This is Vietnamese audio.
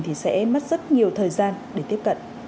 thì sẽ mất rất nhiều thời gian để tiếp cận